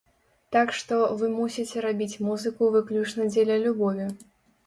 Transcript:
Так што, вы мусіце рабіць музыку выключна дзеля любові.